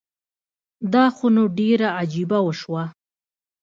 دا خو نو ډيره عجیبه وشوه